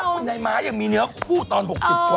คุณนายม้ายังมีเนื้อคู่ตอน๖๐กว่า